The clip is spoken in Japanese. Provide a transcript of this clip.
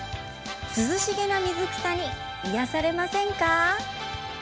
涼しげな水草に癒やされませんか。